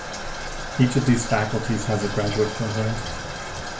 Each of these faculties has a graduate program.